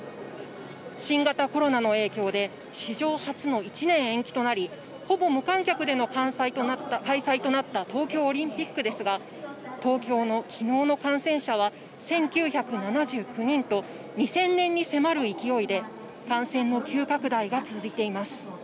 新型コロナの影響で史上初の１年延期となり、ほぼ無観客での開催となった東京オリンピックですが、東京の昨日の感染者は１９７９人と、２０００人に迫る勢いで、感染の急拡大が続いています。